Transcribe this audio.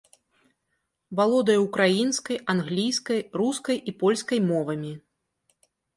Валодае украінскай, англійскай, рускай і польскай мовамі.